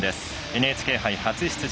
ＮＨＫ杯初出場。